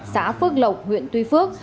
xã phước lộc huyện tuy phước